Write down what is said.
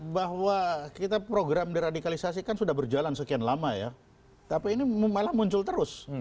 bahwa kita program deradikalisasi kan sudah berjalan sekian lama ya tapi ini malah muncul terus